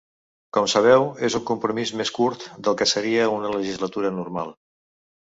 Com sabeu, és un compromís més curt del que seria una legislatura normal.